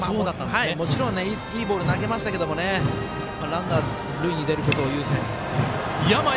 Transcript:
もちろん、いいボールを投げていましたけどランナー、塁に出ることを優先しました。